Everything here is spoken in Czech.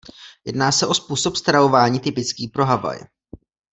Jedná se o způsob stravování typický pro Havaj.